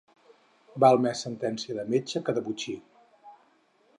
Val més sentència de metge que de botxí.